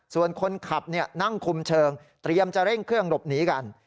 ส่วนคนขับนั่งคุมเชิงเตรียมจะเร่งเครื่องหลบหนีกัน